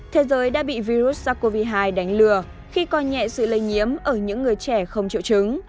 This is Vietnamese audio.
thế giới đã bị virus sars cov hai đánh lừa khi coi nhẹ sự lây nhiễm ở những người trẻ không triệu chứng